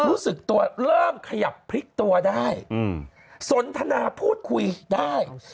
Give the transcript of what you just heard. เริ่มขยับคุยพริกตัวได้สนทนาพูดคุยได้